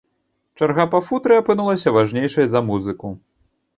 Чарга па футры апынулася важнейшай за музыку.